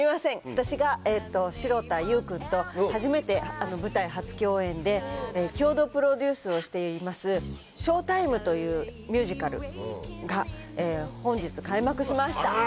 私が城田優君と舞台初共演で共同プロデュースをしています『ＳＨＯＷＴＩＭＥ』というミュージカルが本日開幕しました。